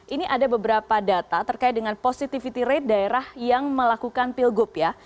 ini ada beberapa data terkait dengan positivity rate daerah yang melakukan pilgub ya